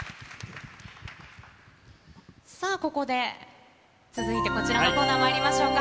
さあここで、続いてこちらのコーナーまいりましょうか。